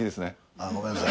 あっごめんなさい。